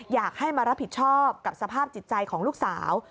อยากให้มารับผิดชอบกับสภาพจิตใจของลูกสาว